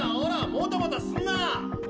モタモタすんなァ！